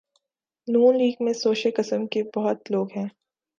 ن لیگ میں شوشے قسم کے بہت لوگ ہیں۔